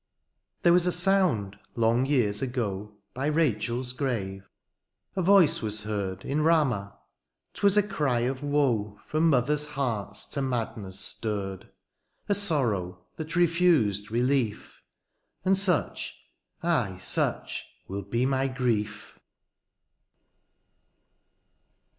There was a soimd, long years ago. By RachaePs grave, — a voice was heard In Ramah, — ^'twas a cry of woe From mothers' hearts to madness stirred ; A sorrow that refused relief. And such, ay such, will be my grief